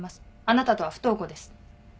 あなたとは不等号です。